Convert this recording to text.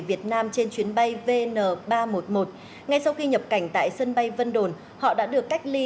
việt nam trên chuyến bay vn ba trăm một mươi một ngay sau khi nhập cảnh tại sân bay vân đồn họ đã được cách ly